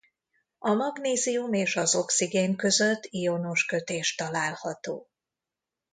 A magnézium és az oxigén között ionos kötés található.